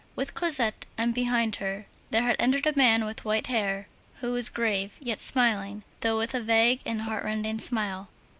With Cosette, and behind her, there had entered a man with white hair who was grave yet smiling, though with a vague and heartrending smile.